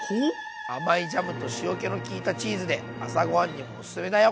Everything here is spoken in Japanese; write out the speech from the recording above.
甘いジャムと塩けの利いたチーズで朝ご飯にもおすすめだよ！